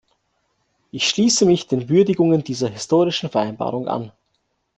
Ich schließe mich den Würdigungen dieser historischen Vereinbarung an.